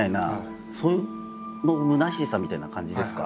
そういうむなしさみたいな感じですか？